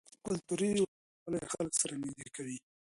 کلتوري ورته والی خلک سره نږدې کوي.